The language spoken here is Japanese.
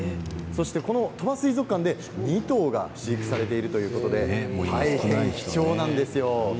この鳥羽水族館で２頭が飼育されているということで大変、貴重なんですよ。